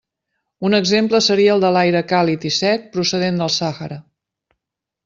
Un exemple seria el de l'aire càlid i sec, procedent del Sàhara.